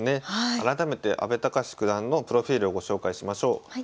改めて阿部隆九段のプロフィールをご紹介しましょう。